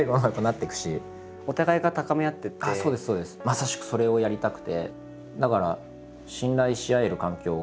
まさしくそれをやりたくて。